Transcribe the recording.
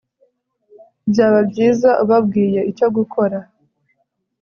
byaba byiza ubabwiye icyo gukora